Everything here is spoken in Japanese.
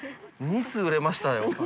ニス売れましたよ。